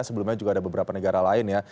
sebelumnya juga ada beberapa negara lain ya